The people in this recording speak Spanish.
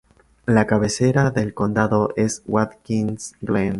La cabecera del condado es Watkins Glen.